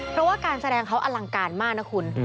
เพราะว่าการแสดงเขาอลังการมากนะคุณ